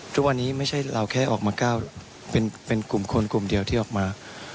ทุกวันนี้ไม่ใช่เราแค่ออกมาก้าวเป็นกลุ่มคนกลุ่มเดียวที่ออกมา